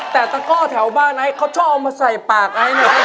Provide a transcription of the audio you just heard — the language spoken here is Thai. แต่ตะก้อแถวบ้านไอซ์เขาชอบเอามาใส่ปากไอ้นี่